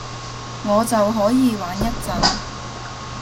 我就可以玩一陣